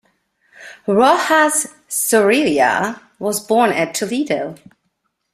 Rojas Zorrilla was born at Toledo.